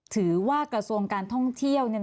ถือว่ากระทรวงการท่องเที่ยว